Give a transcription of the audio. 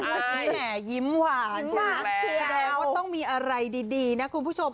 อาจจะแหงแห่ยิ้มว่าต้องมีอะไรดีนะคุณผู้ชม